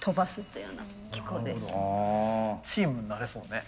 チームになれそうね。